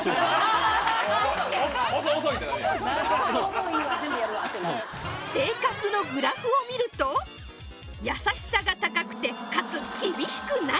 もういいわ全部やるわってなる性格のグラフを見ると優しさが高くてかつ厳しくない